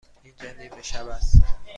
اینجا نیمه شب است.